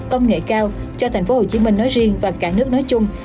công nghệ cao cho tp hcm nói riêng và cả nước nói chung